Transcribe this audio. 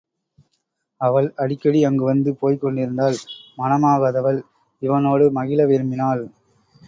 அவள் அடிக்கடி அங்கு வந்து போய்க்கொண்டிருந்தாள் மணமாகாதவள், இவனோடு மகிழ விரும்பினாள்.